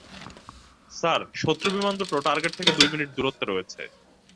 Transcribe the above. Sir, শত্রু বিমান দুটো টার্গেট থেকে দুই মিনিট দূরত্বে রয়েছে।